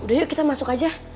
udah yuk kita masuk aja